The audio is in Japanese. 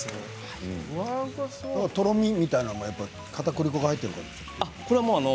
とろみみたいなものはかたくり粉が入っているからですか？